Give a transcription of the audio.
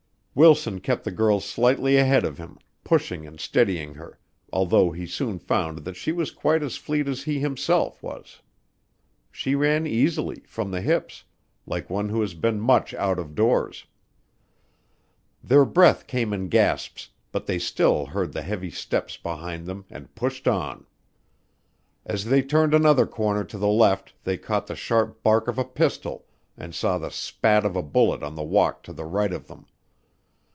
Wilson kept the girl slightly ahead of him, pushing and steadying her, although he soon found that she was quite as fleet as he himself was. She ran easily, from the hips, like one who has been much out of doors. Their breath came in gasps, but they still heard the heavy steps behind them and pushed on. As they turned another corner to the left they caught the sharp bark of a pistol and saw the spat of a bullet on the walk to the right of them.